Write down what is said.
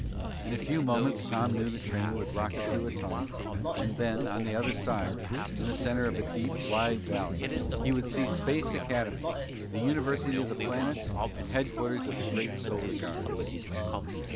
In a few moments Tom knew the train would rocket through a tunnel and then on the other side, in the center of a deep, wide valley, he would see Space Academy, the university of the planets and headquarters of the great Solar Guard.